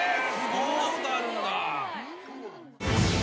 こんなことあるんだ。